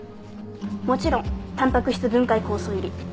もちろんタンパク質分解酵素入り。